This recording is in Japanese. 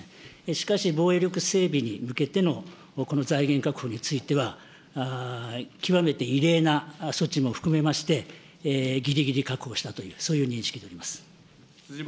しかし、防衛力整備に向けてのこの財源確保については、極めて異例な措置も含めまして、ぎりぎり確保したという、そういう認識でおります。